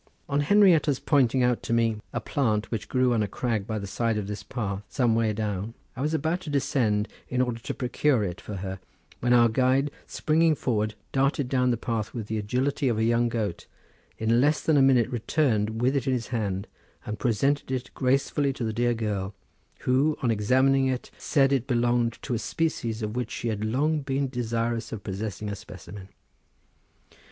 On Henrietta's pointing out to me a plant, which grew on a crag by the side of this path some way down, I was about to descend in order to procure it for her, when our guide springing forward darted down the path with the agility of a young goat, and in less than a minute returned with it in his hand and presented it gracefully to the dear girl, who on examining it said it belonged to a species of which she had long been desirous of possessing a specimen.